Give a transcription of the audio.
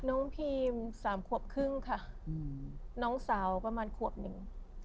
น้องพีม๓ครอบครึ่งค่ะน้องสาวประมาณครอบหนึ่ง